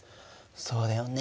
そうだよね。